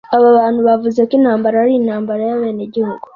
Aba bantu bavuze ko intambara ari intambara y'abenegihugu.